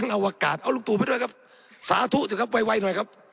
เอาลูกตู่ไปด้วยครับสาธุเดี๋ยวครับไวหน่อยครับ